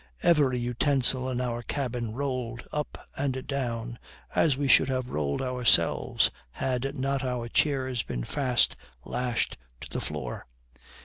Every utensil in our cabin rolled up and down, as we should have rolled ourselves, had not our chairs been fast lashed to the floor.